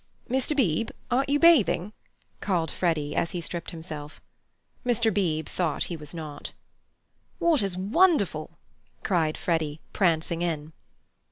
"Mr. Beebe, aren't you bathing?" called Freddy, as he stripped himself. Mr. Beebe thought he was not. "Water's wonderful!" cried Freddy, prancing in.